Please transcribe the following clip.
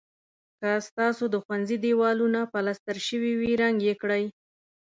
که ستاسو د ښوونځي دېوالونه پلستر شوي وي رنګ یې کړئ.